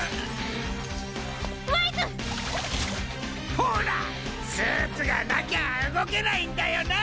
ほらスーツがなきゃ動けないんだよなぁ？